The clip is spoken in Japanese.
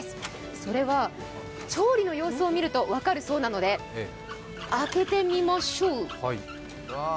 それは調理の様子を見ると分かるそうなので、開けてみましょう。